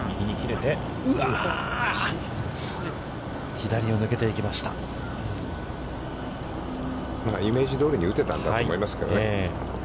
でも、イメージどおりに打てたんだろうと思いますけどね。